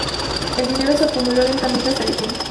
El dinero se acumuló lentamente hasta que Dn.